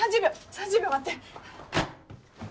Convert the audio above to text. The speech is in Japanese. ３０秒待って。